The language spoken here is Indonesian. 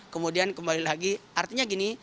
kemudian kembali lagi artinya gini